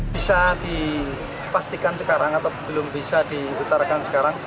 bisa dipastikan sekarang atau belum bisa diutarakan sekarang